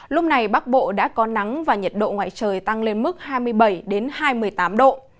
lúc này bắc bộ đã có nắng và nhiệt độ ngoài trời tăng lên mức hai mươi bảy hai mươi tám độ